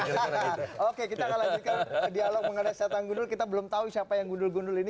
hahaha oke kita akan lanjutkan dialog mengenai setan gundul kita belum tahu siapa yang gundul gundul ini